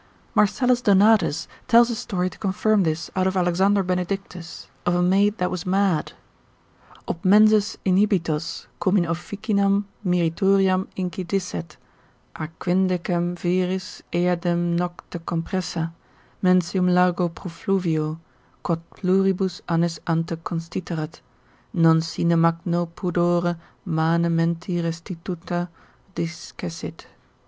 Marcellus Donatus lib. 2. med. hist. cap. 1. tells a story to confirm this out of Alexander Benedictus, of a maid that was mad, ob menses inhibitos, cum in officinam meritoriam incidisset, a quindecem viris eadem nocte compressa, mensium largo profluvio, quod pluribus annis ante constiterat, non sine magno pudore mane menti restituta discessit.